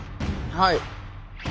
はい。